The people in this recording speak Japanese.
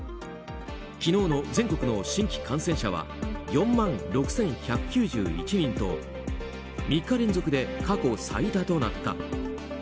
昨日の全国の新規感染者は４万６１９１人と３日連続で過去最多となった。